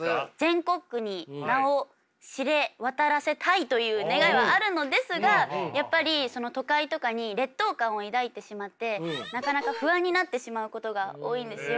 全国区に名を知れ渡らせたいという願いはあるのですがやっぱりその都会とかに劣等感を抱いてしまってなかなか不安になってしまうことが多いんですよ。